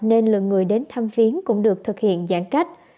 nên lượng người đến thăm viến cũng được thực hiện giãn cách